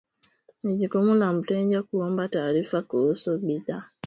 Ni jukumu la mteja kuomba taarifa kuhusu bidhaa